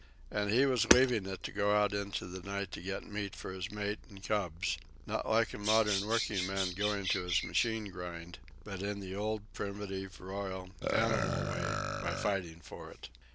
And he was leaving it to go out into the night to get meat for his mate and cubs not like a modern working man going to his machine grind, but in the old, primitive, royal, animal way, by fighting for it.